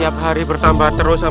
tapi nggak ioah